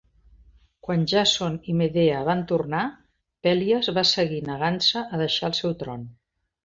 Quan Jàson i Medea van tornar, Pèlies va seguir negant-se a deixar el seu tron.